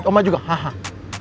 omah juga hah hah